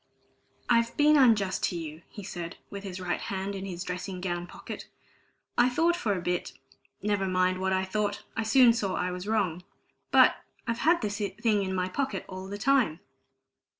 "I've been unjust to you," he said, with his right hand in his dressing gown pocket. "I thought for a bit never mind what I thought I soon saw I was wrong. But I've had this thing in my pocket all the time!"